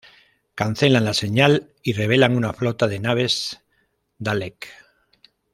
Cancelan la señal y revelan una flota de naves Dalek.